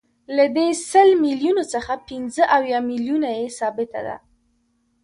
له دې سل میلیونو څخه پنځه اویا میلیونه یې ثابته ده